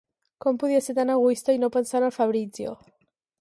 Com podia ser tan egoista i no pensar en el Fabrizio!